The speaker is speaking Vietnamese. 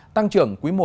tăng trưởng quý một